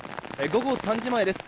午後３時前です。